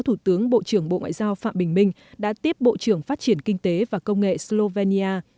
tại buổi tiếp phó thủ tướng phạm bình minh đã tiếp bộ trưởng phát triển kinh tế và công nghệ slovenia